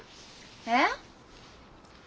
えっ？